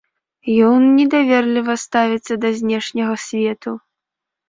Ён недаверліва ставіцца да знешняга свету.